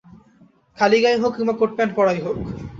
খালি গায়েই হোক কিংবা কোট-প্যান্ট পরাই হোক।